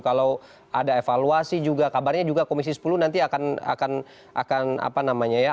kalau ada evaluasi juga kabarnya juga komisi sepuluh nanti akan apa namanya ya